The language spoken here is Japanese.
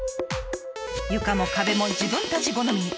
床も壁も自分たち好みに。